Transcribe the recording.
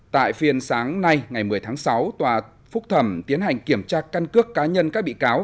tại phiên sáng nay ngày một mươi tháng sáu tòa phúc thẩm tiến hành kiểm tra căn cước cá nhân các bị cáo